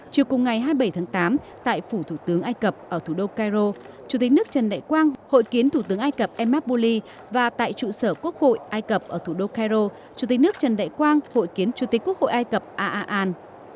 chiều cùng ngày hai mươi bảy tháng tám tại phủ thủ tướng ai cập ở thủ đô cairo chủ tịch nước trần đại quang hội kiến thủ tướng ai cập emad buli và tại trụ sở quốc hội ai cập ở thủ đô cairo chủ tịch nước trần đại quang hội kiến chủ tịch quốc hội ai cập a a an